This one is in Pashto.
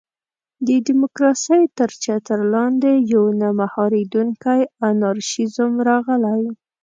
د ډیموکراسۍ تر چتر لاندې یو نه مهارېدونکی انارشېزم راغلی.